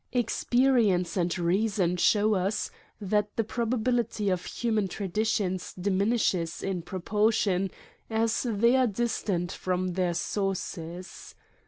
Experience and reason show us that the probability of human traditions dimi nishes in proportion as they are distant from their sources.